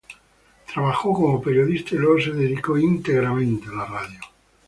Trabajó como periodista y luego se dedicó íntegramente a la radio.